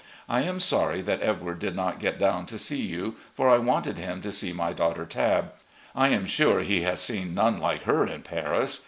I am sorry that Edward did not get down to see you, for I wanted him to see my daughter, Tabb. I am sure he has seen none like her in Paris.